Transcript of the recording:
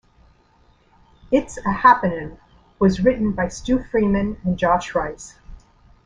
"It's A-Happening" was written by Stu Freeman and Josh Rice.